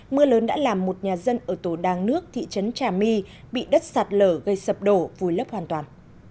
mưa lớn đã làm một nhà dân ở tổ đàng nước thị trấn trà my bị đất sạt lở gây sập đổ vùi lấp hoàn toàn